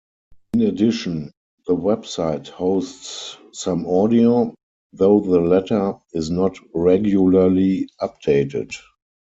In addition, the website hosts some audio, though the latter is not regularly updated.